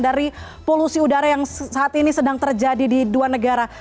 dari polusi udara yang saat ini sedang terjadi di dua negara